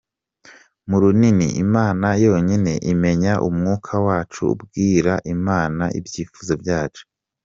Mu rurimi Imana yonyine imenya, umwuka wacu ubwira Imana ibyifuzo byacu.